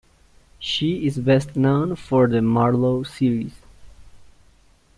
She is best known for the Marlow series.